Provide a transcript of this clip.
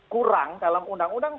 kurang dalam undang undang